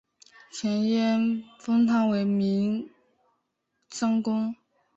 前燕封他为岷山公。